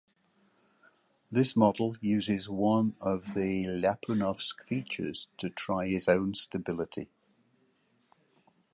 This model uses one of the Ljapunov's features to try his own stability.